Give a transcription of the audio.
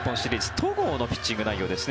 戸郷のピッチング内容ですね。